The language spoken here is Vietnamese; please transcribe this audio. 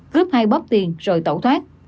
cướp hai bóp tiền rồi tẩu thoát